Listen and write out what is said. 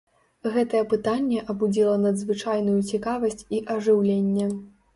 Гэтае пытанне абудзіла надзвычайную цікавасць і ажыўленне.